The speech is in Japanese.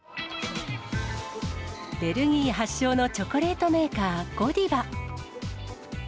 ベルギー発祥のチョコレートメーカー、ゴディバ。